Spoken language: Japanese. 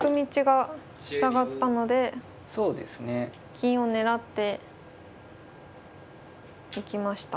金を狙っていきました。